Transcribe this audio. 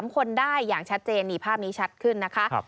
๓คนได้อย่างชัดเจนนี่ภาพนี้ชัดขึ้นนะคะ